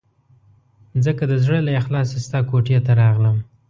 ځکه د زړه له اخلاصه ستا کوټې ته راغلم.